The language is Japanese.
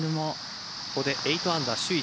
これで８アンダー首位